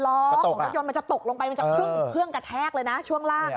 ล้อของรถยนต์มันจะตกลงไปมันจะครึ่งเครื่องกระแทกเลยนะช่วงล่าง